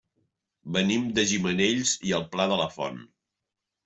Venim de Gimenells i el Pla de la Font.